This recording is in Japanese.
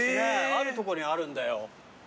あるとこにはあるんだよ。